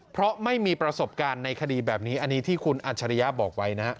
เพราะไม่มีประสบการณ์ในคดีแบบนี้อันนี้ที่คุณอัจฉริยะบอกไว้นะฮะ